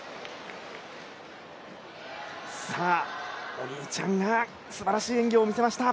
お兄ちゃんがすばらしい演技をしました。